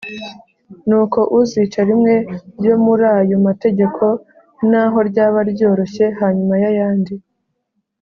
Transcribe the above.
Nuko uzica rimwe ryo muri ayo mategeko naho ryaba ryoroshye hanyuma y’ayandi